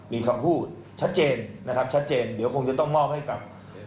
มีคำพูดชัดเจนเดี๋ยวคงจะต้องมอบให้กับ